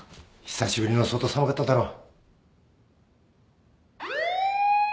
久しぶりの外寒かっただろ。